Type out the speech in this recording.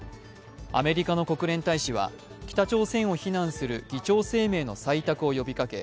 アメリカの国連大使は北朝鮮を非難する議長声明の採択を呼びかけ